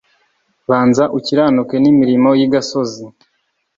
banza ukiranuke n'imirimo y'igasozi